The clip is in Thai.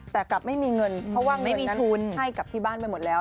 แต่กลับไม่มีเงินเพราะว่าเงินนั้นให้กับที่บ้านไปหมดแล้ว